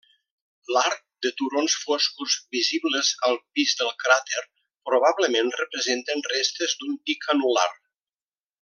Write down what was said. L'arc de turons foscos visibles al pis del cràter probablement representen restes d'un pic anul·lar.